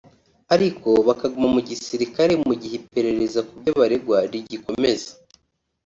ariko bakaguma mu Gisirikare mu gihe iperereza ku byo baregwa rigikomeza